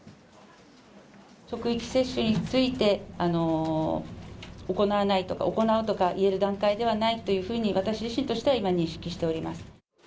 職域接種について、行わないとか、行うとか、言える段階ではないというふうに、私自身としては今、認識しております。